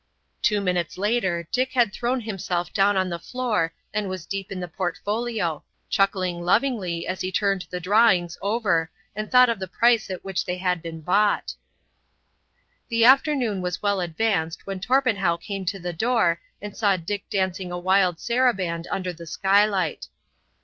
Two minutes later Dick had thrown himself down on the floor and was deep in the portfolio, chuckling lovingly as he turned the drawings over and thought of the price at which they had been bought. The afternoon was well advanced when Torpenhow came to the door and saw Dick dancing a wild saraband under the skylight.